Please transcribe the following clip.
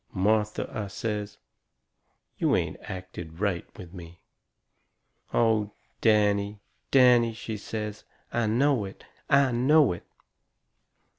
"Martha," I says, "you ain't acted right with me." "Oh, Danny, Danny," she says, "I know it! I know it!"